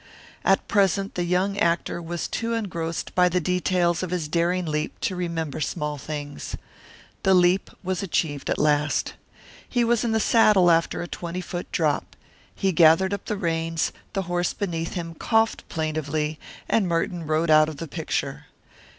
At present the young actor was too engrossed by the details of his daring leap to remember small things. The leap was achieved at last. He was in the saddle after a twenty foot drop. He gathered up the reins, the horse beneath him coughed plaintively, and Merton rode him out of the picture.